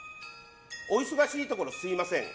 お忙しいところすみません。